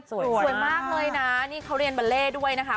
สวยมากเลยนะนี่เขาเรียนบาเล่ด้วยนะคะ